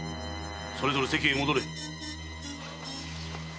それぞれ席へ戻れ。